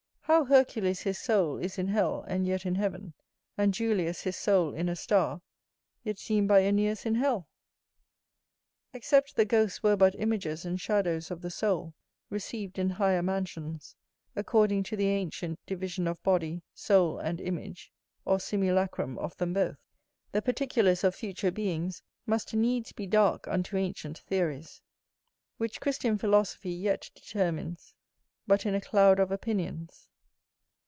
How Hercules his soul is in hell, and yet in heaven; and Julius his soul in a star, yet seen by Æneas in hell? except the ghosts were but images and shadows of the soul, received in higher mansions, according to the ancient division of body, soul, and image, or simulachrum of them both. The particulars of future beings must needs be dark unto ancient theories, which Christian philosophy yet determines but in a cloud of opinions.